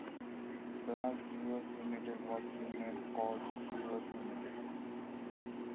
Bass Brewers Limited was renamed Coors Brewers Limited.